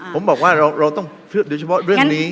ผมบอกว่าเราต้องเชื่อโดยเฉพาะเรื่องนี้